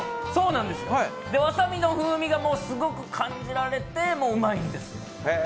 わさびの風味がすごく感じられて、うまいんですよ。